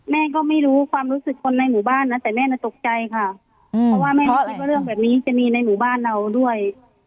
แม่ก็ไม่รู้ความรู้สึกคนในหมู่บ้านนะแต่แม่น่ะตกใจค่ะเพราะว่าแม่ไม่คิดว่าเรื่องแบบนี้จะมีในหมู่บ้านเราด้วย